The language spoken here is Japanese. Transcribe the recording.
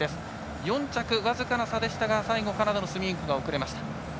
４着、僅かな差でしたが最後、カナダのスミーンクが遅れました。